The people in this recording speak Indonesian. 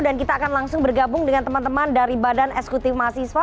dan kita akan langsung bergabung dengan teman teman dari badan eksekutif mahasiswa